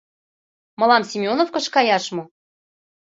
— Мылам Семеновкыш каяш мо?